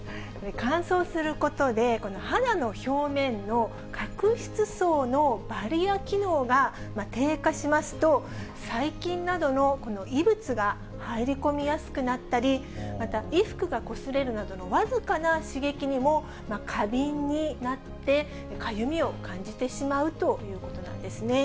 乾燥することで、この肌の表面の角質層のバリア機能が低下しますと、細菌などのこの異物が入り込みやすくなったり、また衣服がこすれるなどの僅かな刺激にも過敏になって、かゆみを感じてしまうということなんですね。